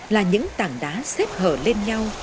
là những tảng đá xếp hở lên nhau